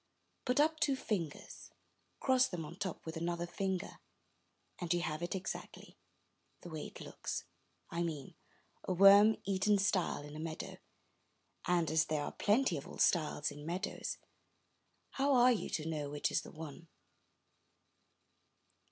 Put up two fingers, cross them on the top with another finger, and you have it exactly, — the way it looks, I mean, — a worm eaten stile in a meadow; and as there are plenty of old stiles in meadows, how are you to know which is the one?